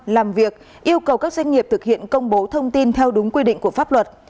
làm việc yêu cầu các doanh nghiệp thực hiện công bố thông tin theo đúng quy định của pháp luật